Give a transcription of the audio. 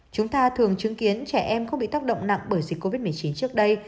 chúng ta thường chứng kiến trẻ em không bị tác động nặng bởi dịch covid một mươi chín trước đây